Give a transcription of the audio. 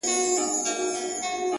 o چي له تا مخ واړوي تا وویني،